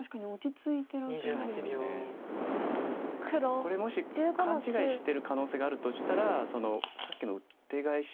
これもし勘違いしてる可能性があるとしたらさっきのウッテガエシ。